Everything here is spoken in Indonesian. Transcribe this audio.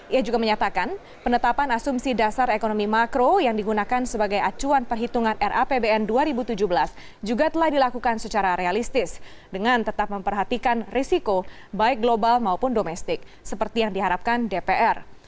ia juga menyatakan penetapan asumsi dasar ekonomi makro yang digunakan sebagai acuan perhitungan rapbn dua ribu tujuh belas juga telah dilakukan secara realistis dengan tetap memperhatikan risiko baik global maupun domestik seperti yang diharapkan dpr